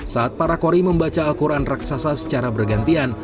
saat para kori membaca al quran raksasa secara bergantian